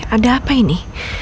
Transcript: ada apa ini